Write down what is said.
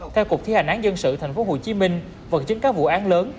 theo cục thi hành án dân sự tp hcm vật chứng các vụ án lớn